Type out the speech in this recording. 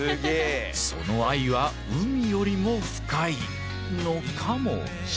その愛は海よりも深いのかもしれない。